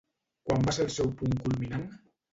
Quan va ser el seu punt culminant?